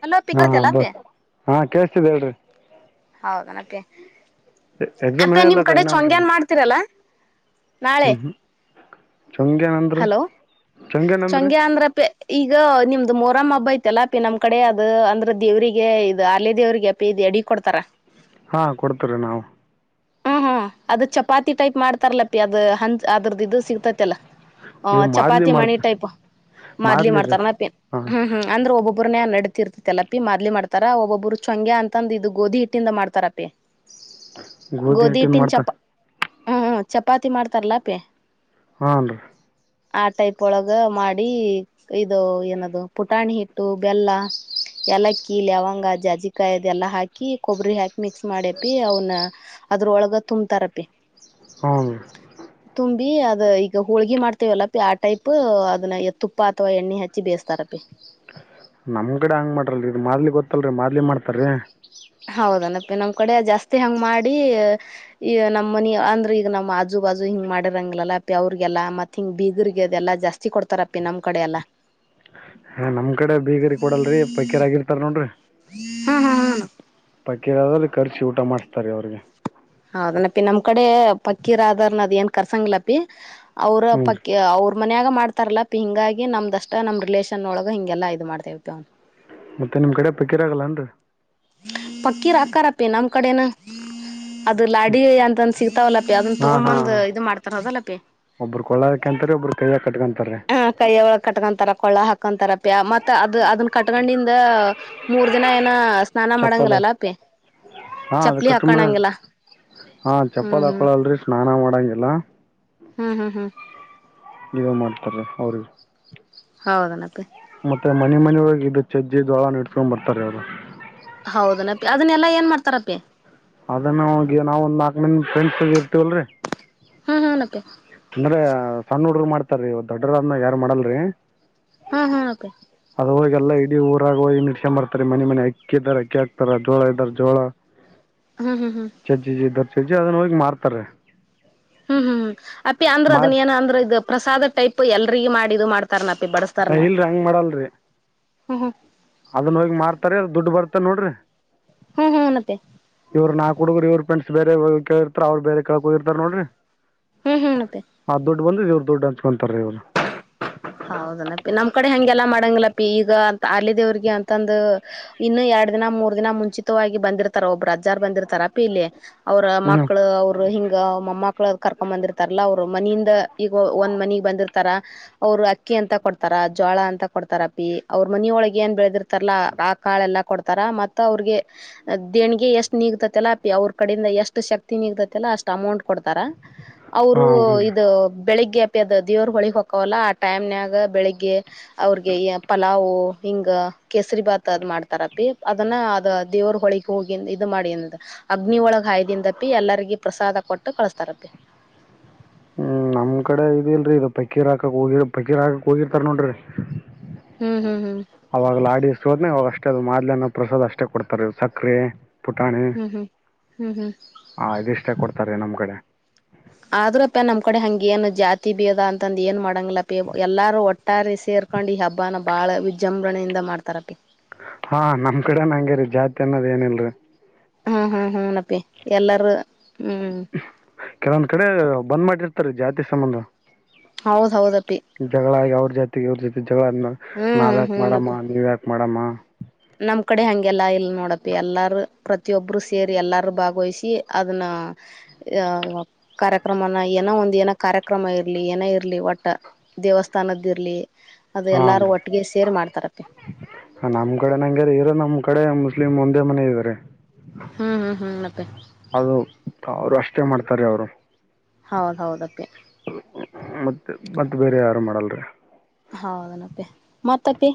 hello ಹಾ ಪಕ್ಕ ಹಾ ಚಲ ಪ ಬಸ್ ಹಾ ಕೇಸ್ತಿದೆ ಹೇಳ್ರಿ ಹೌದನಪ್ಪೆ ಎಕ್ಸಾಮ್ ಏನ ಅಪ್ಪೆ ನಿಮ್ ಇಲ್ಲಕ್ಕ ಕಡೆ ಇನ ಒಂದ ಚಂಗ್ಯನ್ ಮಾಡ್ತೀರಲ್ಲಾ ನಾಳೆ ಹ್ಮ್ ಹ್ಮ್ ಚಂಗೇನಂದ್ರಿ ಹಲೋ ಚಂಗೇನಂದ್ರಿ ಚಂಗ್ಯಾ ಅಂದ್ರ ಪ ಈಗ ನಿಮ್ದ ಅದು ಮೋರಮ್ಮ ಹಬ್ಬ ಐತೆಲ್ಲ ಅಪಿ ನಮ್ ಕಡೆ ಅದ ಅಂದ್ರೆ ದೇವ್ರಿಗೆ ಇದು ಅಲೆ ದೇವ್ರಿಗೆ ಅಪಿ ಇ ಅಡಿ ಕೊಡ್ತಾರ ಹಾ ಕೊಡ್ತ್ರೀ ನಾವು ಹ್ಮ ಹಾ ಅದ ಚಪಾತಿ ಟೈಪ್ ಮಾಡ್ತಾರಲಪಿ ಅದು ಹ ಅದ್ರದ ಇದದು ಸಿಗ್ತೈತಿಲ್ಲಾ ಹ ಇ ಮಾದ್ಲಿ ಚಪಾತಿ ಮಣಿ ಮಾಡ್ತ ಟೈಪ್ ಮದ್ಲಿ ಮಾದ್ಲಿರಿ ಮಾಡ್ತಾರನ ಪ ಹಾ ಹ್ಮ್ ಹ್ಮ್ ಅಂದ್ರೆ ಒಬ್ಬೊಬ್ ಒಬ್ಬ್ರೇ ನಡತಿರ್ತತಿಲ್ಲಪಿ ಮಾರ್ಲಿ ಮಾಡ್ತಾರ ಒಬ್ಬೊಬ್ಬರು ಚಂಗ್ಯ ಅಂತಂದ ಇದು ಗೋಧಿ ಹಿಟ್ಟಿಂದ ಮಾಡ್ತಾರಪಿ ಗೋಧಿಂಟ ನ್ ಮಾಡ್ತಾ ಹ್ಮ್ ಚಪಾತಿ ಮಾಡ್ತಾರಲ್ಲಾ ಅಪೇ ಹನ್ೀ ಆಟೈಪ್ೊಳಗ ಮಾಡಿ ಇದು ಏನದು ಪುಟಾಣಿ ಹಿಟ್ಟು ಬೆಲ್ಲ ಏಲಕ್ಕಿ ಲವಂಗ ಜಜ್ಜಿಕಾಯಿ ಇದೆಲ್ಲ ಹಾಕಿ ಕೊಬ್ಬರಿ ಹಾಕಿ ಮಿಕ್ಸ್ ಮಾಡ್ಯಪಿ ಅವನ ಅದ್ರೊಳಗ ತುಂಬ್ತಾರಪಿ ಹ್ಮ ಬಿ ಅದ ಈಗ ಹೋಳ್ಗಿ ಮಾಡ್ತೇವಲ್ಲಪಿ ಆ ಟೈಪ್ ಅದನ್ನ ತುಪ್ಪ ಅಥವಾ ಎಣ್ಣೆ ಹಚ್ಚಿ ಬೇಯಸ್ತಾರ ಪಿ ನಮ್ಗಡೆ ಹಂಗ್ ಮಾಡ್ರಲ್ರಿ ಇದ ಮಾರ್್ಲಿ ಗೊತ್ತಲ್ರರಿ ಮಾರ್್ಲಿ ಮಾಡ್ತಾರರಿ ಹೌದನಪ್ಪ ನಮ್ ಕಡೆ ಜಾಸ್ತಿ ಹಂಗ್ ಮಾಡಿ ಈ ನಮ್ಮ ಮನ ಅಂದ್ರೆ ಈಗ ನಮ್ಮ್ ಆಜು ಬಾಜು ಹಿಂಗ್ ಮಾಡಿರಂಗಿಲ್ಲಲ್ಲಾ ಪ್ಯಾವ್ರಗೆಲ್ಲಾ ಮತ್ತತ್ ಹಿಂಗ ಬೀಗರ್ಗೆದೆಲ್ಲಾ ಜಾಸ್ತಿ ಕೊಡ್ತಾರಪ್ಪಿ ನಮ್ ಕಡೆ ಎಲ್ಲಾ ಹ ನಮ್ ಕಡೆ ಬೀಗರಿ ಕೊಡಲ್ರರಿ ಪೈಕ್ಯರ್ ಆಗಿರ್ತಾರ ನೋಡ್ರಿ ಹ್ಮ್ ಹ್ಮ ಹ್ಮ ಪಕೀರಲ್ಲಿ ಕರ್ಚಿ ಊಟ ಮಾಡ್ಸ್ತಾರೆ ಅವ್ರಿಗೆ ಹೌದನಪಿ ನಮ್ ಕಡೆ ಪಕ್ಕೀರ ಅದಾರ್ನ ಅದ್ ಏನ್ ಕರ್ಸಂಗಿಲ್ಲಪಿ ಅವರ ಹ್ಮ್ ಪಕ್ಕೆ ಅವರು ಮನ್ಯಾಗ ಮಾಡ್ತಾರಲ್ಲಾಪ ಹಿಂಗಾಗಿ ನಮ್ದಷ್ಟ ನಮ್ ರಿಲೇಷನ್ ಒಳಗ ಹಿಗೆಲ್ಲಾ ಇದು ಮಾಡ್ತೇವಪ ಅವ್ನು ಮತ್ತೆ ನಿಮ್ ಕಡೆ ಪಕ್ಕಿರಾಗಲ್ಲನ್ರರಿ ಕಡೆನು ಅದು ಲಾಡಿ ಅಂತಂದ ಸಿಗ್ತಾವಲ್ಲಪ್ಪಿ ಅದನ್ನ ತಗೊಂದ ಇದು ಮಾಡ್ತಾರ ಅದಲ್ಲಪಿ ಒಬ್ಬರು ಕೊೊಳ್ಳಕಂತರಿ ಒಬರು ಕೈಯ ಕಟ್ಕೊಂತಾರೆ ಹ ಕೈಯ ಒಳ ಕಟ್ಕೊಂತರ ಕೊಳ್ಳ ಹಾಕೊಂತರ ಪ ಮತ್ತ ಅದು ಅದನ್ನ ಕಟ್ಕೊಂಡಿಂದ ಮೂರ್ ದಿನ ಏನ ಸ್ನಾನ ಚಪ್ಪಲ್ ಮಾಡಂಗಿಲ್ಲಲ್ಲಪಿ ಹಾ ಅದು ಚಪ್ಲಿ ಕಟ್ಟ ಹಾಕಣಂಗಿಲ್ಲ ಹಾ ಹ್ಮ್ ಚಪ್ಪಲ್ ಹ್ಮ್ ಹಾಕೊಳಲ್ರಿ ಸ್ನಾನ ಮಾಡಂಗಿಲ್ಲ ಹ್ಮ್ ಹ್ಮ್ ಹ್ಮ್ ಇವ ಮಾಡ್ತಾರೆ ಅವ್ರ ಹೌದನಪ್ಪೆ ಮತ್ತ ಮನೆ ಮನೊಳಗೆ ಇದು ಚಜ್ಜಿ ಜೋಳ ನಡ್ಸ್ಕೊಂಡ್ ಬರ್ತಾರೆ ಅವರು ಹೌದನಪಿ ಅದನ್ನೆಲ್ಲಾ ಏನ್ ಮಾಡ್ತಾರಪಿ ಅದನ್ನು ನಾವ ಒಂದ ನಾಲ್ಕ ಮಂದ ಫ್ರೆಂಡ್ಸ್ ಇರ್ತವಲ್ರರಿ ಹ್ಮ್ ಹಾ ಮತ್ತೆ ಅಂದ್ರೆ ಸಣ್ಣ ಹುಡ್ಲ್ ಮಾಡ್ತಾರೀ ದೊಡ್ಡರ ಯಾರು ಮಾಡಲ್ರಿ ಹಾ ಹಾ ಕೆ ಅವಾಗಲ್ಲ ಇಡೀ ಊರಾಗ ನಿ ಮಾಡ್ತಾರೆ ಮನೆ ಮನೆ ಅಕ್ಕಿಾರ ಅಕ್ಕಿ ಹಾಕ್ತಾರ ಜೋಳ ಇದ್ದಾರೆ ಜೋಳ ಹ್ಮ್ ಹ್ಮ್ ಹ್ಮ್ ಶಜೆ ಅದನ್ನ ಹೋಗಿ ಮಾರ್ತಾರ ಹ್ಮ್ ಹ್ಮ್್ ಅಪಿ ಅಂದ್ರ ಅದನ್ ಏನ ಅಂದ್ರ ಇ ಪ್ರಸಾದ ಟೈಪ್ ಎಲ್ರಿಗ ಮಾಡಿಿದದು ಮಾಡ್ತಾರನಪ್ಪ ಹ ಇಲ್ರಿ ಹಂಗ್ ಮಾಡಲ್ರಿ ಹ್ಮ ಹ್ಮ ಅದನ್ ಹೋಗಿ ಮಾರ್ತಾರ ದುಡ್ಡು ಬರ್ತ ನೋಡ್ರಿ ಹ್ಮ್ ಹ್ಮ್ ನಪ್ಪಿ ಇವ್ ನಾ ಹುಗರು ಇವ್ರ ಫ್ರೆಂಡ್ಸ್ ಬೇರೆ ಕೇಳಿರ್ತಾರ ಅವ್ರು ಬೇರೆ ಕೆಳಕ್ ಹೋಗಿರ್ತಾರ ನೋಡ್ರಿ ಹ್ಮ್ ಹ್ಮ್ ಮತ್ತೆ ಬಂದಿದ್ ಇವ್ರು ದೊಡ್ಡ ಅನ್ಚ್ಕೊಂತಾರೆ ಇವ್ರು ಹೌದನಪ್ಪಿ ನಮ್ ಕಡೆ ಹೆಂಗೆ ಎಲ್ಲಾ ಮಾಡಂಗಿಲ್ಲಪಿ ಈಗ ಅಂತ ಅಲ್ಲಿ ದೇವ್ರಿಗೆ ಅಂತಂದು ಇನ್ನು ಯ ಎರಡ್ ದಿನ ಮೂರ್ ದಿನ ಮುಂಚಿತವಾಗಿ ಬಂದಿರ್ತಾರ ಒಬ್ರುಜಾರ್ ಬಂದಿರ್ತಾರಾ ಪಿ ಇಲ್ಲಿ ಅವ್ರ ಹ್ಞೂ ಮಕ್ಕಳು ಅವರು ಹಿಂಗ ಮಮ್ಮಕ್ಕಳು ಕರ್ಕೊ ಬಂದಿರ್ತಾರಲ್ಲ ಅವ್ರು ಮನಿಯಿಂದ ಈಗ ಒಂದ್ ಮನಗ್ ಬಂದಿರ್ತಾರ ಅವರು ಅಕ್ಕಿ ಅಂತ ಕೊಡ್ತಾರ ಜೋಳ ಅಂತ ಕೊಡ್ತಾರ ಪಿ ಅವ್ರ ಮನಿಯೊಳಗೆ ಏನ್ ಬೆಳೆದಿರ್ತಾರಲ್ಲಾ ಆ ಕಾಳೆಲ್ಲ ಕೊಡ್ತಾರ ಮ ಅವ್ರಿಗೆ ದೇಣಗೆ ಎಷ್ಟ್ ನಿಗತತಿಲ್ಲ ಅವ್ರ ಕಡೆಯಿಂದ ಎಷ್ಟು ಶಕ್ತಿ ನಿಗತತಿ ಅಷ್ಟ ಅಮೌಂಟ್ ಕೊಡ್ತಾರ ಅವರು ಹಾಂ ಹ್ಞೂ ರೀ ಇದು ಬೆಳಿಗ್ಗೆ ಅ ದೇವ್ರ ಹೊಳಗ್ ಹಕಲ್ಲ ಟೈಮ್ನಾಗ ಬೆಳಿಗ್ಗೆ ಅವ್ರಿಗೆ ಪಲಾವು್ ಹಿಂಗ ಕೇಸರಿ ಭಾತ್ ಅದ್ ಮಾಡ್ತಾರಪಿ ಅದನ್ನ ಅದ ದೇವ್ರ ಹೊಳಗ್ ಹೋಗಿ ಇದು ಮಾಡಿಂದ ಅಗ್ನಿ ಒಳಗಾಯದಿಂದಪಿ ಎಲ್ಲರಿಗ ಪ್ರಸಾದ ಕೊಟ್ಟು ಕಳಸ್ತಾರಪಿ ಹ ಹ್ಮ್ ನಮ್ ಕಡೆ ಇದಿಲ್ರರಿ ಇದು ಪಕೀರ್ ಹಾಕಕ್ ಹೋಗಿ ಪಕೀರ್ ಹಾಕಕ್ ಹೋಗಿರ್ತಾರ ನೋಡ್ರಿ ಹ್ಮ್ ಹ್ಮ್ ಹ್ಮ್ ಅವಾಗ ಲಾಡಿಸೋದ್ ಅವವಾಗ ಅಷ್ಟೇ ಅದು ಮಾದ್ಲೆನ ಪ್ರಸಾದ್ ಅಷ್ಟೇ ಕೊಡ್ತಾರೆ ಸಕರೆೆ ಪುಟಾಣಿ ಹ್ಮ್ ಹ್ಮ್ ಹ್ಮ್ ಹ್ಮ್ ಹ ಇದಿಷ್ಟೇ ಕೊಡ್ತಾರೆ ನಮ್ಮ ಕಡೆ ಆದ್ರಪ್ಪ ನಮ್ ಕಡೆ ಹಂಗ ಏನು ಜಾತಿ ಬೀದ ಅಂತಂದ ಏನ್ ಮಾಡಂಗಲಪ ಎಲ್ಲಾರೂ ಒಟ್ಟಾರೆ ಸೇರ್ ಕರ್ಕೊಂಡ್ ಈ ಹಬ್ಬನ ಬಾಳ ವಿಜೃಂಭಣೆಯಿಂದ ಮಾಡ್ತಾರಪಿ ಹಾ ನಮ್ ಕಡೆ ನ ಹಂಗರಿ ಜಾತಿ ಅನ್ನೋದ್ ಏನಲ್ರಿ ಹ್ಮ ಹ್ಮ್ ಹ್ಮ್ ನಪಿ ಎಲ್ಲಾರೂ ಹ್ಮ್ ಕೆಲವೊಂದ್ ಕಡೆ ಬಂದ್ ಮಾಡಿರ್ತಾರೆ ಜಾತಿ ಸಂಬಂಧ ಹೌದ ಹೌದು ಜಗಳಾಗಿ ಅವ್ರ ಜಾತಿಗೆ ಅವ್ರ ಜೊತಿ ಜಗಳ ಹ್ಮ್ ನಾವ ಯಾಕ ಹ್ಮನಪ್ಪ ಮಾಡಮ್ಮ ನೀವ್ ಯಾಕ ಮಡಮ್ಮ ನಮ್ ಕಡೆ ಹಂಗೆಲ್ಲಾ ಇಲ್ ನೋಡಪಿ ಎಲ್ಲಾರು ಪ್ರತಿಯೊಬ್ರು ಸೇರಿ ಎಲ್ಲಾರು ಭಾಗವಹಿಸಿ ಅದನ್ನ ಹ ಕಾರ್ಯಕ್ರಮನ ಏನೋ ಒಂದ ಏನೋ ಕಾರ್ಯಕ್ರಮ ಇರ್ಲಿ ಏನ ಇರ್ಲಿ ಒಟ್ಟ ದೇವಸ್ಥಾನದ್ದ ಇರ್ಲಿ ಅದು ಹಾಂ ಎಲ್ಲಾರು ಒಟ್ಟಿಗೆ ಸೇರಿ ಮಾಡ್ತಾರಪ್ಪೆ ನಮ್ಮ ಕಡೆ ನಂಗೆ ಇರೋ ನಮ್ ಕಡೆ ಮುಸ್ಲಿಮ್ ಒಂದೇ ಮನೆ ಇದ್ದಾರೆ ಹ್ಮ್ ಹ್ಮ್ ಹ್ಮ್ನಪ್ಪಿ ಅದು ಅವರು ಅಷ್ಟೇ ಮಾಡ್ತಾರೆ ಅವರು ಹೌದ ಹೌದದೇ ಮತ್ತೆ ಮತ್ತತ್ ಬೇರೆ ಯಾರು ಮಾಡಲ್ರಿೀ ಹೌದನಪ್ಪೆ ಮತ್ತಕ್ಕಿ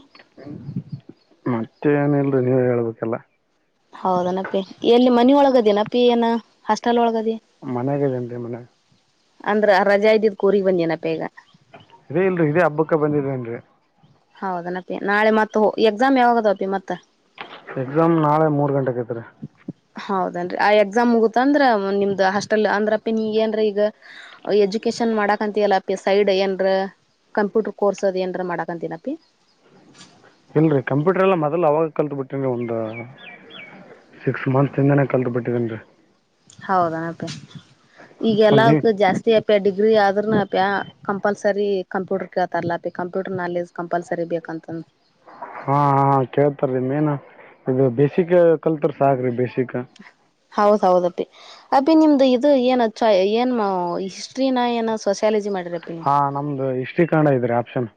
ಮತ್ತೆ ಏನಲ್ರಿ ನೀವ ಹೇಳ್ಬೇಕಲ್ಲ ಹೌದನಪ್ಪಿ ಎಲ್ಲಿ ಮನಿ ಒಳಗದ ನಪಿ ಏನ ಹಾಸ್ಟೆಲ್ ಒಳಗದ ಮನೆಗೆ ಜನ್ರಿ ಮನೆ ಅಂದ್ರ ರಜಾ ಇದ್ದಿದ್ ಕೋರಿ ಬಂದ್ ಏನಪ್ಪೇಗ ಇದೇ ಇಲ್ರಿ ಇದೇ ಹಬ್ಬಕ್ಕ ಬಂದಿದೇನ್ರಿ ಹೌದನಪ್ಪಿ ನಾಳೆ ಮತ್ತತ್ ಹ ಎಕ್ಸಾಮ್ ಯಾವಾಗದ ಅಪಿ ಮತ್ತತ್ ಎಕ್ಸಾಮ್ ನಾಳೆ ಮೂರ್ ಗಂಟೆಕತ್ರಿ ಹೌದೇನ್ರಿ ಆ ಎಕ್ಸಾಮ್ ಮುಗುತ್ತ ಅಂದ್ರ ನಿಮ್ದ್ ಅಷ್ಟೆಲ್ ಅಂದ್ರಪ್ಪ ನೀಗ ಏನ್್ರೀ ಈಗಜ ಅಪ್ಕೇಶನ್ ಮಾಡಕ ಅಂತಲ್ಲಪ್ಪ ಸೈಡ್ ಏನ್ ಕಂಪ್ಯೂಟರ್ ಕೋರ್ಸ್ ಅದು ಏನ್ ಮಾಡಕಂತನ ಪ್ಪ ಇಲ್ರರಿ ಕಂಪ್ಯೂಟರ್ ಎಲ್ಲಾ ಮೊದಲ್ಲು ಅವಾಗ ಕಲ್ತ್ ಬಿಟ್ರಿರಿ ಒಂದು ಸಿಕ್ಸ್ ಮಂತ್ಸ್ ತಿಂದಾನೇ ಕಲ್ತ್ ಬಿಟ್ಟಿದೇನ್ರಿ ಹೌದಣಪ್ಪ ಈಗಲ್ಲ ಮತ್ತು ನೀವು ಜಾಸ್ತಿ ಅ ಡಿಗ್ರಿ ಆದ್ರೂ ಅ ಪಾ ಕಂಪಲ್ಸರಿ ಕಂಪ್ಯೂಟರ್ ಕೇಳ್ತಾರಲ್ಲ ಅಪ ಕಂಪ್ಯೂಟರ್ ನಾಲೆಜ್ ಕಂಪಲ್ಸರಿ ಬೇಕ ಅಂತ ಹಾ ಹಾ ಕೇಳ್ತಾರೀ ಮೇನ್ ಇ ಬೇಸಕ್ ಕಲ್ತರ್ ಸಾಕ್ರಿ ಬೇಸ ಹೌದ ಹೌದಪ್ಪಿ ಅಬಿ ನಿಮ್ದು ಇದು ಏನ ಚ ಏನ್ ಹಿಸ್ಟ್ರಿನ ಏನ ಸ ಕಾಲಜಿ ಮಾಡಿರಪ್ಪ ನೀವ ಕಾಣ ಇದ್ರೆ ಆಪ್ಷನ್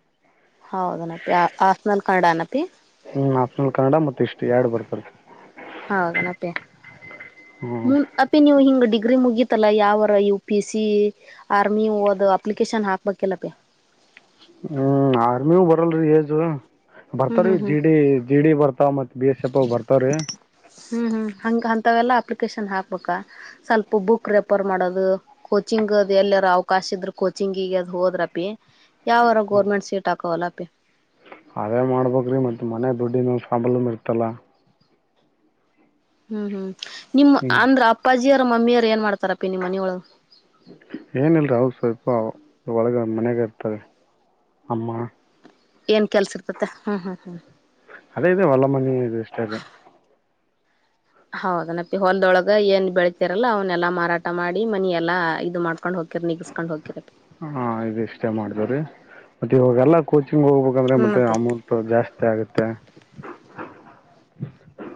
ಹೌದನಪಿ ಹಸ್ನಲ್ ಕನ್ನಡನಪಿ ಹ್ಮ್ ನಪ್ನಲ್ ಕನ್ನಡ ಮತ್ ಇಷ್ಟು ಎರಡು ಬರ್ತಾರ ಹೌದಣ ಅಪೆ ಹ್ಞೂ ಅಪೆ ನೀವು ಹಿಂಗಡಿ ಗ್ರಿ ಮುಗೀಿತಲ್ಲ ಯಾವರ U P S C army application ಹಾಕ್ಬೇಕಲ್ಲ ಪ ಹ ಹ್ಮ್ ಆರ್ಮಿು ಬರಲ್ರಿ ಯಏಜು ಹ್ಮ್ ಬರ್ತಾರೀ ಹ್ಮ್ ಹ್ಮ್ ಜಿ ಡಿ ಜಿ ಡಿ ಬರ್ತ ಮತ್ ಬಿ ಎಸ್ ಎಫ್್ ಬರ್ತವ್ರೀ ಹ್ಮ್ ಹ್ಮ ಹಂಗ ಅಂತವೆಲ್ಲಾ ಅಪ್ಲಿಕೇಶನ್ ಹಾಕ್ಬೇಕಾ ಸ್ವಲ್ಪ ಬುಕ್ ರೆಫರ್ ಮಾಡೋದು ಕೋಚಿಂಗ್ ಕಚಿಂಗ್ ಅದು ಎಲ್ಲರ ಅವಕಾಶ ಇದ್ರರು ಕೋಚಿಂಗ್ಗ ಅದು್ ಹೋದ್ರಪಿ ಯಾವಾರ ಗೋರ್ಮೆಂಟ್ ಸೀಟ್ ಹಾಕವಲ್ಲ ಅಪಿ ಅೇ ಮಾಡ್ಬೇ್ರಿ ಮತ್ತತ್ ಮನೆ ದುಡ್ಡಿನ ಪ್ರಾಬ್ಲಮ್ ಇರ್ತಲ್ಲ ಹ್ಮ್ ಹ್ಮ್ ನಿಮ್ಮ ಹ್ಮ್ ಅಂದ್ರ ಅಪ್ಪಾಜಿಯರು ಮಮ್ಮಿಯರು ಏನ್ ಮಾಡ್ತಾರಪ್ಪಿ ನಿಮ್ಮನ ಒಳ ಏನಲ್ರಿ ಅವವು ಸ್ವಲ್ಪ ಒಳಗ ಮನೆಗ ಇರ್ತಾರೆ ಅಮ್ಮ ಏನ್ ಕೆಲ್ಸ ಇರ್ತ ಹ್ಮ್ ಹ್ಮ್ ಹ್ಮ್ ಅದೇ ಇ ವಲ್ಲ ಮಣಿ ಇ ಇಷ್ಟ ಹೌದನತ್ತೆ ಹೊಲ್ದೊಳಗ ಏನ್ ಬೆಳತರಲ್ಲಾ ಅವ್ನ್ನಲ್ಲಾ ಮಾರಾಟ ಮಾಡಿ ಮನಿ ಎಲ್ಲಾ ಇದು ಮಾಡ್ ಹಾ ಇದ ಇಷ್ಟೇ ಮಾಡತವ್ರೀ ಮತ್ತೆ ಇವಾಗೆಲ್ಲ ಕೋಚಿಂಗ್ ಹೋಗ್ಬೇಕಂದ್ರೆ ಹ್ಮ್ ಮತ್ತೆ ಅಪ್ಪಿ ಅಮೌಂಟ್ ಜಾಸ್ತಿ ಆಗುತ್ತೆ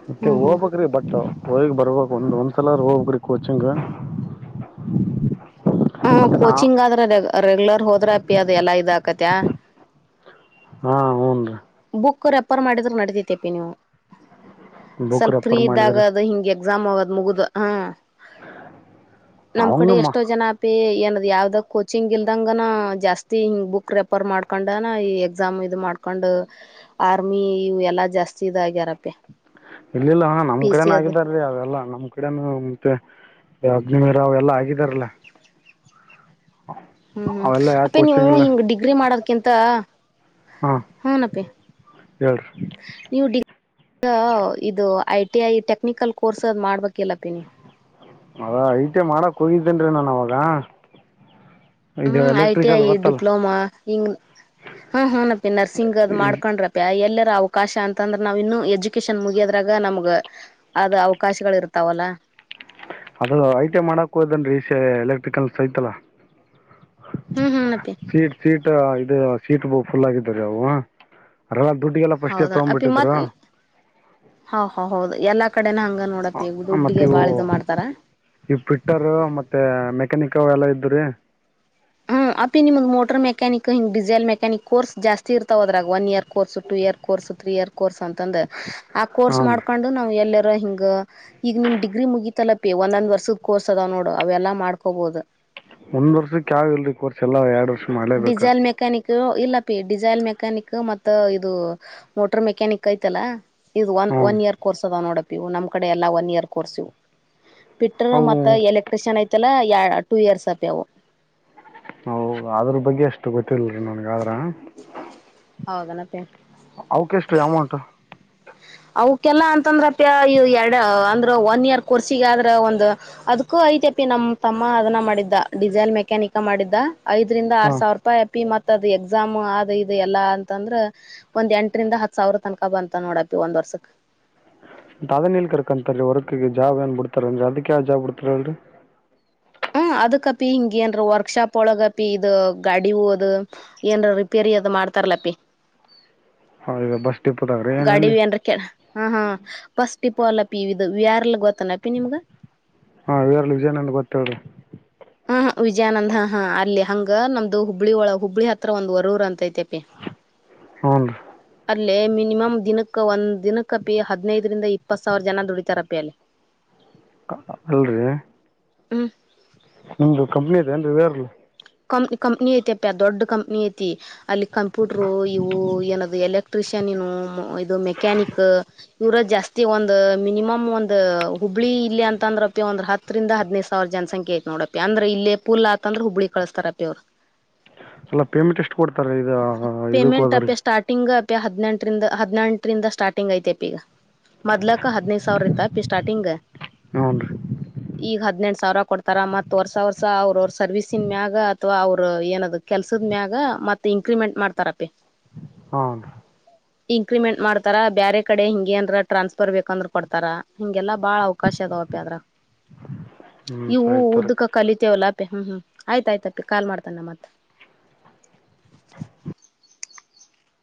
ಮತ್ತೆ ಹ್ಮ್ ಹ್ಮ್ ಹೋಗಬಕ್್ರೀ ಬಟ್ಟ ಹೋಗಿಗ್ ಬರ್ಬೇಕು ಒಂದು್ ಒಂದ್ಸಲ ಹೋಗ್ರಿ ಕೋಚಿಂಗ ಹ ಕೋಚಿಂಗ್ ಆದ್ರೆ ರೆಗ್ಯುಲರ್ ಹೋದ್ರೆ ಅಪಿ ಅದು ಎಲ್ಲಾ ಇದಾಕತ ಹಾ ಹಊನ್ ರೀ ಮುಕ್ಕರ್ ರೆಪರ್ ಮಾಡಿದ್ರರು ನಡತತಿೇಪ ನೀವು ಬುಕ್ ಸ್ವಲ್ಪ ಫ್ರೀ ರೆಫರ್ ಮಾಡಿದ್ರಿ ಇದ್ದಾಗದು ಹಿಂಗೆ ಎಕ್ಸಾಮ್ ಆಗದ್ ಮುಗುದು ಹ ನಮ್ ಕಡೆ ಅವಂಗ ಎಷ್ಟೋ ಜನ ಅಪಿ ಏನದ್ ಯಾವ್ದ್ ಕೋಚಿಂಗ್ ಇಲ್ದಂಗನ ಜಾಸ್ತಿ ಹಿಂಗ್ ಬುಕ್ ರೆಫರ್ ಮಾಡ್ಕೊಂಡ ಈ ಎಕ್ಸಾಮ್ ಇದ್ ಮಾಡ್ಕೊಂಡ ಕಕೊಂಡ್ ಆರ್ಮಿ ಇ ಎಲ್ಲಾ ಜಾಸ್ತಿ ಇದಾಗ್ಯಾರಪ್ಪೇ ಇಲ್ಲಿಲ್ಲ ಹಾ ನಮ್ ಕಡೆನ ಆಗಿದಾರೀ ಅವೆಲ್ಲ ನಮ ಕಡೆ ಮತ್ತೆ ಅಗ್ನರಾವ್ ಎಲ್ಲಾ ಆಗಿದಾರಲ್ಲ ಹ್ಮ್ ಹ್ಮ್ ಅವೆಲ್ಲಾ ಯಾಕೆ ಅಪ್ಪೇ ನೀವು ಕೋಚಿಂಗ್ ಇಲ್ಲ ಹಿಂಗ್ ಡಿಗ್ರಿ ಮಾಡರ್ಕಿಂತ ಹಾ ಹನಪ್ಪೇ ಹೇಳ್ರಿ ನೀವು ಈಗ ಇದು I T I technical course ಅದು್ ಮಾಡ್ಬೇಕಿಲ್ಲ ಪಿನಿ ಹದ ಐತೆ ಮಾಡಕ್ ಹೋಗಿದ್ದೇನ್ರೀ ನಾನ್ ಅವಾಗ ಇದು ಹ್ಮ್ ಐ ಟಿ ಐ ಎಲೆಕ್ಟ್ರಿಕಲ್ ಗೊತ್ತಲ್ಲ ಡಿಪ್ಲೋಮಾ ಹಂಗ ಹಾ ಹನಪ್ಪಿ ನರ್ಸಿಂಗ್ ಅದ್ ಈ ಮಾಡ್ಕೊಂಡ್ರಪ್ಪಿ ಎಲ್ಲ ಅವಕಾಶ ಅಂತಂದ್ರೆ ನಾವ್ ಇನ್ನು ಎಜುಕೇಶನ್ ಮುಗಿಯದ್ರಾಗ ನಮ್ಗ ಅದ ಅವಕಾಶಗಳು ಇರ್ತಾವಲ್ಲ ಅದ ಐಟ್ ಮಾಡಕ್ ಹೋದೇನ್ೀ ಎಲೆಕ್ಟ್ರಿಕಲ್ಸ್ ಐತಲ್ಲ ಹ್ಮ್ ಹ್ಮ್ ಅಪ್ಪಿ ಸೀಟ್ ಸೀಟ್ ಇ ಸೀಟ್ ಬ ಫುಲ್ ಆಗಿದ್ರೀ ಅವು ದುಡ್ಡುಿಗೆಲ್ಲ ಫಸ್ಟ್ ಹೌದಾ ಅಪ್ಪಿ ತಗ್ಬಿಟ್ಟಿದ್ರು ಮತ್ ಹ ಹ ಹೌದು ಎಲ್ಲಾ ಕಡೆನ ಹಂಗ ನೋಡಪ್ಪ ಈಗ ದುಡ್ಡಿಗೆ ಇವು ಬಾಳಿದು ಮಾಡ್ತಾರ ಈ ಪಿಟ್ಟರ್ ಮತ್ತೆ ಮೆಕ್ಯಾನಿಕ್ ಎಲ್ಲ ಇದ್ರೀ ಹ್ಮ್ ಹ ಅಪಿ ನಿಮಗೆ ಮೋಟರ್ ಮೆ್ಯಾನಕ್ ಹಿಂ ಡಿಸೈಲ್ ಮೆಕಾನಿಕ್ ಕೋರ್ ಜಾಸ್ತಿ ಇರ್ತಾವೋದ್ರಾಗ one year course two year course ಇರ್ ಕೋರ್ಸ್ ಅಂತಂದ ಆ ಕೋರ್ಸ್ ಹಾಂ ರೀ ಮಾಡ್ಕೊಂಡು ನವು ಎ ಹಿಂಗ ಈಗ ನಿಮ್ ಡಿಗ್ರಿ ಮುಗೀಿತಲ್ಲ ಪಿ ಒಂದ್ೊಂದ್ ವರ್ಷದ ಕೋರ್ಸ್ ಅದಾವ ನೋಡು ಅವೆಲ್ಲಾ ಮಾಡ್ಕೋಬಹದು ಒಂದ್ ವರ್ಷಕ್ಕೆ ಯಾವ ಇಲ್ರಿ ಕೋರ್ಸ್ ಎಲ್ಲ ಎರಡ್ ವರ್ಷ ಮಾಡ್ಲೇಬೇಕು ಡೀಿಸೆಲ್ ಮೆಕಾನಿಕ್ ಇಲ್ಲ ಪಿ ಡಿಸೈಲ್ ಮೆಕ್ಯಾನಿಕ್ ಮತ್ತ ಇದು ಮೋಟರ್ ಮೆಕ್ಯಾನಿಕ್ ಐತಲ್ಲಾ ಇದು ಒನ್ ಹ್ಞೂ ಒನ್ ಇಯರ್ ಕೋರ್ಸ್ ಅದ ನೋಡಪಿ ಇವು ನಮ್ ಕಡೆ ಎಲ್ಲಾ ಒನ್ ಇಯರ್ ಕೋರ್ಸ್ ಇವು ಬಿಟ್ಟ್ರ ಅವು ಮತ್ತ ಎಲೆಕ್ಟ್ರಿಷಿಯನ್ ಐತಲ್ಲ ಟೂ ಇಯರ್ಸ್ ಅಪಿ ಅವು ಹ ಅದ್ರ ಬಗ್ಗೆ ಅಷ್ಟು ಗೊತ್ತಿಲ್ರಿ ನನ್ಗ ಆದ್ರ ಹೌದನಪಿ ಅವಕ ಎಷ್ಟ ರೀ ಅಮೌಂಟ್ ಅವಕಲ್ಲಾ ಅಂತಂದ್ರಪ್ಪ ಎರಡ ಅಂದ್ರ ಒನ್ ಇಯರ್ ಕೋರ್ಸಿಗ ಆದ್ರ ಒಂದು್ ಅದ್ಕ್ಕೂ ಐತೆ ನಮ್ ತಮ್ಮ ಅದನ್ನ ಮಾಡಿದ್ದ ಡಿಸೈಲ್ ಮೆಕ್ಯಾನಿಕ್ ಮಾಡಿದ್ದ ಐದರಿಂದ ಆರ್ ಹಾಂ ಸಾವಿರ ರೂಪಾಯಿ ಆಪಿ ಮತ್ತತ್ ಅದು ಎಕ್ಸಾಮ್ ಅದು ಇದು ಎಲ್ಲಾ ಅಂತಂದ್ರ ಒಂದ್ ಎಂಟರಿಂದ ಹತ್ ಸಾವಿರ ತನಕ ಬಂತ ನೋಡಪಿ ಒಂದ್ ವರ್ಷಕ್ ಅದುನೆಲ್ಲಿ ಕರ್ಕಂತ ವರ್ಕ ಜಾಬ್ ಏನ್ ಬಿಡ್ತಾರಲ್ರರಿ ಅದಕ್ಕೆ ಯಾವ ಜಾಬ್ ಬಿಡ್ತಾರಲ್ರರಿ [inaudible] ಹ್ಮ್ ಅದಕ್ಕಪಿ ಹಿಂಗ ಏನ್ರ ವರ್ಕ್ಶಾಪ್ ಒಳಗಪಿ ಇದು ಗಾಡಿ ಹೋದ್ ಏನ್ರ ರಿಪೇರಿ ಅದ ಮಾಡ್ತಾರಲಪ್ಪಿ ಹೌ ಬಸ್ ಡಿಪೋದಾಗ ರೀ ಏನು ಗಾಡಿ ಎಲ್ಲಿ ವಿ ಅಂದ ಕೆ ಹ ಹಾ ಪಫಸ್ಟ್ ಇಪ ಅಲ್ಲ ಪ ಇಿದ ವ್ಯಾರ್ಲ್ಲ ಗೊತ್ತ ಹಾ ಇರಲ್ಲಿ ವಿಜಯಾನಂದ ಗೊತ್ತ್ರ ಹಾ ಹ ವಿಜಯಾನಂದ್ ಹಾ ಹಾ ಅಲ್ಲಿ ಹಂಗ ನಮ್ದು ಹುಬ್ಳ್ಳಿ ಒಳ ಹುಬ್ಳಿ ಹತ್ರ ಒಂದು ಹೊರೂರ್ ಅಂತೈತೆ ಹುನ್ರ ಲ್ಲಿ ಮಿನಿಮಮ್ ದಿನಕ್ಕ ಒಂದ್ ದಿನಕ್ಕಪಿ ಹದ್ನೈದರಿಂದ ಇಪ್ಪತ್ ಸಾವಿರ ಜನ ದುಡಿತಾರಪ್ಪಿ ಅಲ್ಲಿ ಅಲ್ರೀ ಹ್ಮ ನಿಮ್ದು ಕಂಪನಿ ಕಂಪ್ನಿ ಐತಿ ಅಪ್ಪ ದೊಡ್ಡ ಕಂಪ್ನಿ ಐತಿ ಅಲ್ಲಿ ಕಂಪ್ಯೂಟರು ಇವು ಏನ ಎಲೆಕ್ಟ್ರಿಷನ್ ಇದು ಮೆಕ್ಯಾನಿಕ್ ಇವರ ಜಾಸ್ತಿ ಒಂದು ಮಿನಿಮಮ್ ಒಂದ ಹುಬ್ಳಿ ಇಲ್ಲಿ ಅಂದ್ರೆಪ್ಪ ಒಂದ ಹರಿ ಹದಿನದು ಸಾವಿರ ಜನಸಖೆ ಐ ನೋಡಪ್ಪ ಅಂದ್ರ ಇಲ್ಲಿ ಫುಲ್ ಆತು ಅಂದ್ರ ಹುಬ್ಳಿ ಕಳಸ್ತಾರಪಿ ಅವ್ರು ಸಲ ಪೇಮೆಂಟ್ ಎಷ್ಟು ಕೊಡ್ತಾರೆ ಇ ಇದಕ್ಕ ಹೋದ್ರ ಹದಿನೆಂಟರಿಂದ ಹದಿನೆಂಟರಿಂದ ಸ್ಟಾರ್ಟಿಂಗ್ ಐತೆಪ್ಪ ಈಗ ಮದ್ಲಕ್ಕಕ್ ಹದಿನೈದು ಸಾವಿರ ಇತಪಿ ಸ್ಟಾರ್ಟಿಂಗ್ ಹೌನ್ ರೀ ಈಗ ಹದ್ನೆಂಟು ಸಾವಿರ ಕೊಡ್ತಾರ ಮತ್ ವರ್ಸ ವರ್ಸ ಅವ್ರ ಅವ್ರ ಸರ್ವೀಸನ್ ಮ್ಯಾಗ ಅಥವಾ ಅವರು ಏನದ್ ಕೆಲ್ಸದ ಮ್ಯಾಗ ಇನ್ಕ್ರಿಮೆಂಟ್ ಮಾಡ್ತಾರಪಿ ಹೌನ್ ರೀ ಇಂಕ್ರಿಮೆಂಟ್ ಮಾಡ್ತಾರಾ ಬೇರೆ ಕಡೆ ಹಿಂಗಗೆಏನ್ರ ಟ್ರಾನ್ಸ್ಫರ್ ಬೇಕಂದ್ರ ಕೊಡ್ತಾರ ಹಿಂಗೆಲ್ಲಾ ಬಾಳ ಅವಕಾಶ ಪದರಗ [inaudible] ಹ್ಞೂ ಇವು ಸರಿ ತಗೋರಿ ಉದಕ ಕಲಿತೇವಲ್ಲ ಹ್ಮ್ ಹ್ಮ್ ಆಯ್ತಾಯ್ತಪ್ಪಿ ಕಾಲ್ ಮಾಡ್ತಾನ ಮತ್